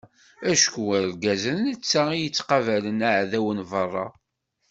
Acku argaz d netta i yettqabalen aεdaw n beṛṛa.